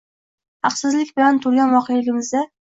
Haqsizlik bilan to‘lgan voqeligimizda